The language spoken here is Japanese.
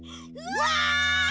うわ！